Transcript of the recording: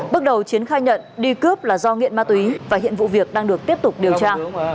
bước đầu chiến khai nhận đi cướp là do nghiện ma túy và hiện vụ việc đang được tiếp tục điều tra